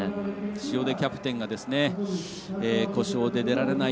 塩出キャプテンが故障で出られない。